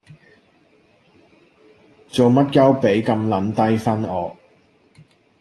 做乜鳩畀咁撚低分我